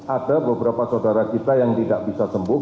ada beberapa saudara kita yang tidak bisa sembuh